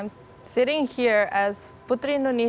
meskipun semua hal yang tidak saya percaya tentang diri saya